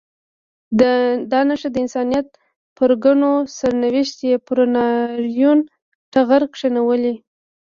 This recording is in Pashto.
دا نښې د انساني پرګنو سرنوشت یې پر ناورین ټغر کښېنولی.